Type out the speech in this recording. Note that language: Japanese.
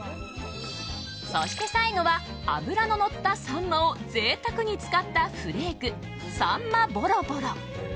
そして最後は脂ののったサンマを贅沢に使ったフレークさんまぼろぼろ。